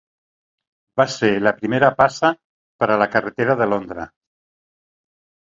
Va ser la primera passa per a la carretera de Londres.